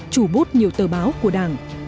chủ bút nhiều tờ báo của đảng